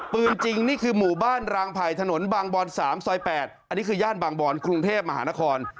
จริงนี่คือหมู่บ้านรางไผ่ถนนบางบอน๓ซอย๘อันนี้คือย่านบางบอนกรุงเทพมหานคร